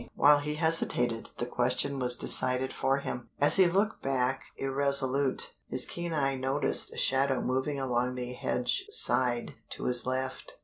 While he hesitated, the question was decided for him. As he looked back irresolute, his keen eye noticed a shadow moving along the hedge side to his left.